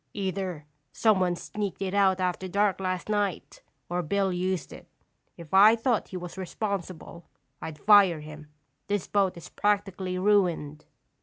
Either someone sneaked it out after dark last night, or Bill used it. If I thought he was responsible, I'd fire him. This boat is practically ruined."